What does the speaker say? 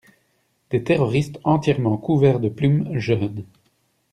Des terroristes entièrement couverts de plumes jeûnent!